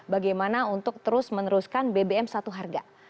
bagaimana untuk terus meneruskan bbm satu harga